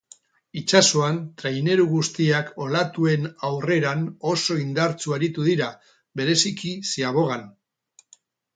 Itsasoan, traineru guztiak olatuen aurreran oso indartsu aritu dira, bereziki ziabogan.